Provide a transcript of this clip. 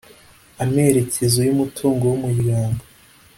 amerekezo y umutungo w umuryango